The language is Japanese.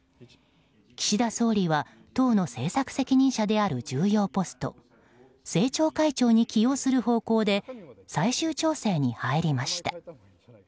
岸田総理は党の政策責任者である重要ポスト政調会長に起用する方向で最終調整に入りました。